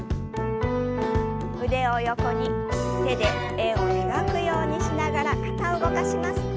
腕を横に手で円を描くようにしながら肩を動かします。